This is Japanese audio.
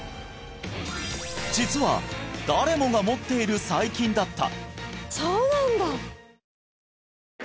実は誰もが持っている細菌だった！